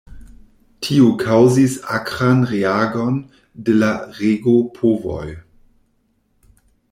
Tio kaŭzis akran reagon de la regopovoj.